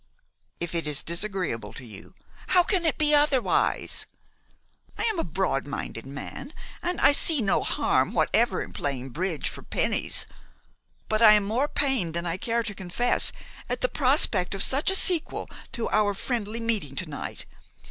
"If it is disagreeable to you " "How can it be otherwise? I am a broad minded man, and I see no harm whatever in playing bridge for pennies; but I am more pained than I care to confess at the prospect of such a sequel to our friendly meeting to night.